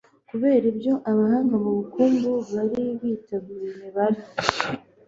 Kubera ibyo, abahanga mu bukungu bari biteguye imibare